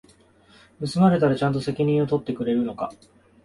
盗まれたらちゃんと責任取ってくれるのか？